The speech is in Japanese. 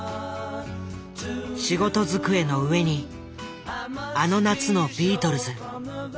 仕事机の上にあの夏のビートルズ。